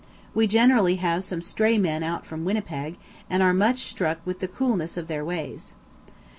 We generally have some stray man out from Winnipeg, and are much struck with the coolness of their ways.